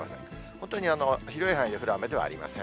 本当に広い範囲で降る雨ではありません。